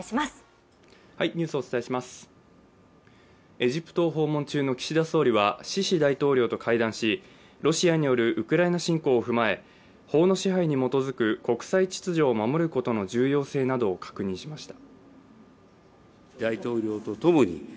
エジプトを訪問中の岸田総理はシシ大統領と会談しロシアによるウクライナ侵攻を踏まえ、法の支配に基づく国際秩序を守ることの重要性などを確認しました。